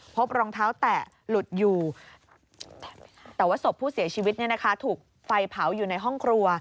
พบรองเท้าแตะหลุดอยู่แต่ว่าศพผู้เสียชีวิตถูกไฟเผาอยู่ในห้องครัว